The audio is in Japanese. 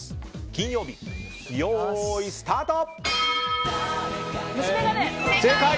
金曜日、用意、スタート！